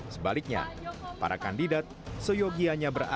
sebaliknya kpu juga mencari keputusan untuk mencari keputusan